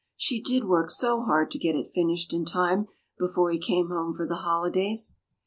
She did work so hard to get it finished in time before he came home for the holidays."